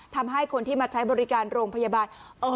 ทำให้คนที่มาใช้บริการโรงพยาบาล